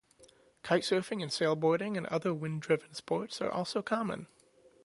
Kitesurfing and sailboarding and other wind-driven sports are also common.